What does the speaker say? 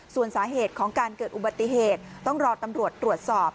ส่วนสาเหตุของการเกิดอุบัติเหตุต้องรอตำรวจตรวจสอบ